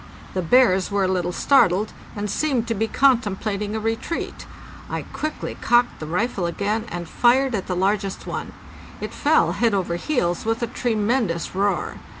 The bears were a little startled, and seemed to be contemplating a retreat. I quickly cocked the rifle again and fired at the largest one. It fell head over heels, with a tremendous roar.